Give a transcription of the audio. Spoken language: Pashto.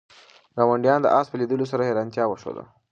ګاونډیانو د آس په لیدلو سره حیرانتیا وښوده.